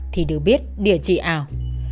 thì được biết địa chỉ ảo